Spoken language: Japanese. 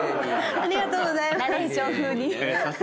ありがとうございます。